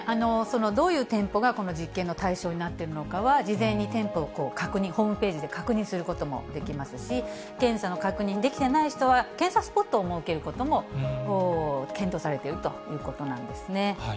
どういう店舗がこの実験の対象になっているかは、事前に店舗を確認、ホームページで確認することもできますし、検査の確認できてない人は、検査スポットを設けることも検討されているということなんですね。